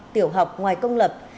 tiểu học ngoài công lập